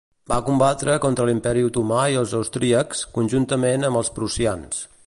Va combatre contra l'Imperi Otomà i els austríacs, conjuntament amb els prussians.